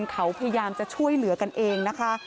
เขาพยายามจะช่วยเหลือกันเองนะคะ